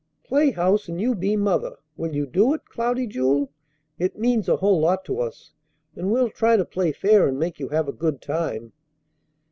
Play house and you be mother. Will you do it, Cloudy Jewel? It means a whole lot to us, and we'll try to play fair and make you have a good time."